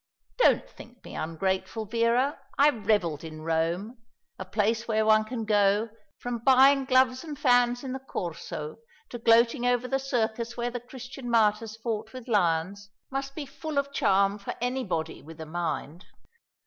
Don't think me ungrateful, Vera. I revelled in Rome. A place where one can go, from buying gloves and fans in the Corso, to gloating over the circus where the Christian martyrs fought with lions, must be full of charm for anybody with a mind.